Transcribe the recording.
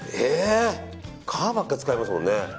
皮ばっか使いますもんね。